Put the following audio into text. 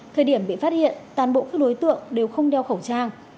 thời điểm bị phát hiện toàn bộ các đối tượng đều không đeo khẩu trang